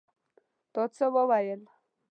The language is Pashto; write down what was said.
تا څه وویل?